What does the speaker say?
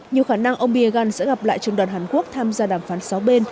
nhiều khả năng ông biegun sẽ gặp lại trường đoàn hàn quốc tham gia đàm phán sáu bên